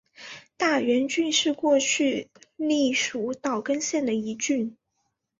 大原郡是过去隶属岛根县的一郡。